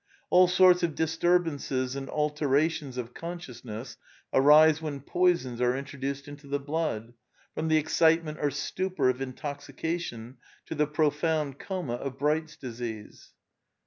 All sorts of dis turbances and alterations of consciousness arise when poisons are introduced into the blood, from the excitement or stupor of intoxication to the profound coma of Bright^s disease.